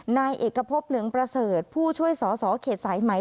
นายเอกพบเหลืองประเสริฐผู้ช่วยสอสอเขตสายไหม